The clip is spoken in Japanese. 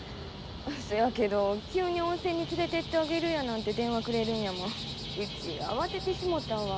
そやけど急に温泉に連れてってあげるやなんて電話くれるんやもんうち慌ててしもたわ。